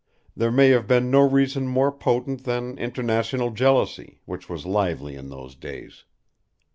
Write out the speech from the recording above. There may have been no reason more potent than international jealousy, which was lively in those days.